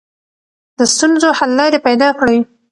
د ستونزو حل لارې پیدا کړئ.